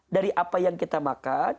dari apa yang kita makan